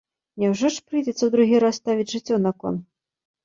Няўжо ж прыйдзецца ў другі раз ставіць жыццё на кон?